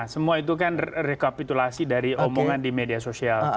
semua itu kan rekapitulasi dari omongan di media sosial